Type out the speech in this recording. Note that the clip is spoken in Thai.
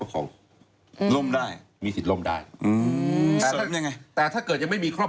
ความรักความรักล่ะ